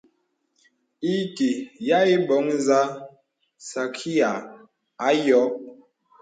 Ìki yə î bɔ̀ŋ nzâ sàkryāy ayò.